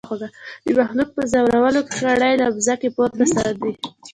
د مخلوق په زورولو کړي له مځکي پورته ساندي